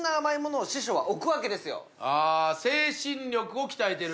あ精神力を鍛えてる。